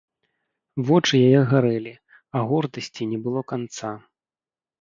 Вочы яе гарэлі, а гордасці не было канца.